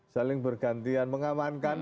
saling bergantian mengamankan